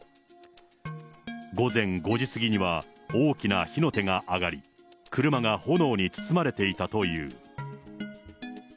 午前５時過ぎには大きな火の手が上がり、車が炎に包まれていたという。